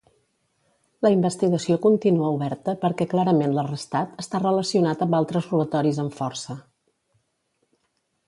La investigació continua oberta perquè clarament l'arrestat està relacionat amb altres robatoris amb força.